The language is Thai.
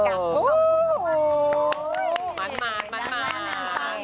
โอ้โหมันมากมันมาก